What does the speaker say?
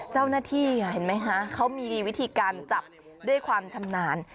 เจ้าหน้าที่เห็นไหมคะเขามีวิธีการจับด้วยความชำนาญ